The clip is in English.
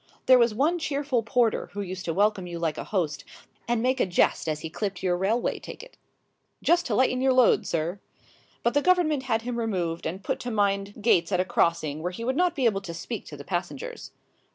There was one cheerful porter who used to welcome you like a host, and make a jest as he clipped your railway ticket "Just to lighten your load, sir!" but the Government had him removed and put to mind gates at a crossing where he would not be able to speak to the passengers.